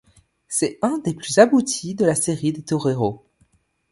C'est un des plus abouti de la série des torero.